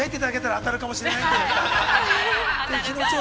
◆当たるかもしれません。